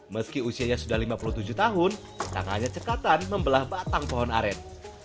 meski usianya sudah lima puluh tujuh tahun tangannya cekatan membelah batang pohon aren